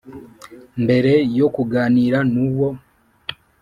Mbere yo kuganira n uwo